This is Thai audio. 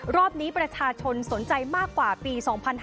รอบนี้ประชาชนสนใจมากกว่าปี๒๕๕๙